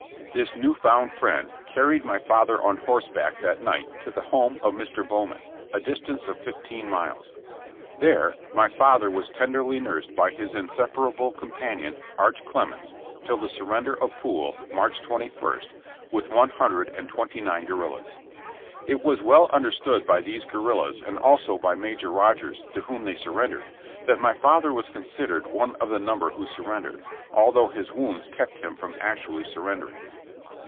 This new found friend carried my father on horseback that night to the home of Mr. Bowman, a distance of fifteen miles. There my father was tenderly nursed by his insepa ' rable companion Arch Clements, till the surrender of Poole, March 21, with one hundred and twenty nine guerrillas. It was well understood by these guer rillas and also by Major Rodgers to whom they sur rendered, that my father was considered one of the number who surrendered, although his wounds kept him from actually surrendering.